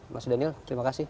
mas daniel terima kasih